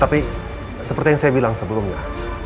tapi seperti yang saya bilang sebelumnya